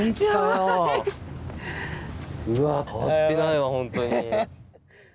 うわー、変わってないわ、本当に。